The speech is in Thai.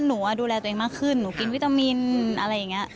หนูดูแลตัวเองมากขึ้นหนูกินวิตามินอะไรอย่างนี้